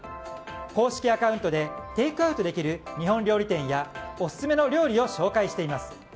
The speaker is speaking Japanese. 公式アカウントでテイクアウトできる日本料理店や、オススメの料理を紹介しています。